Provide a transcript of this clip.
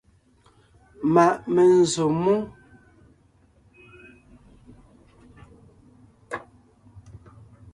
Ma’ menzsǒ mú.